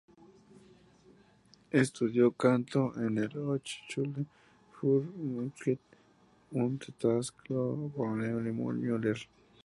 Estudió canto en el Hochschule für Musik und Tanz Köln con Emmy Müller.